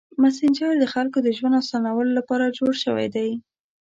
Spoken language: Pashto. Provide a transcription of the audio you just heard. مسېنجر د خلکو د ژوند اسانولو لپاره جوړ شوی دی.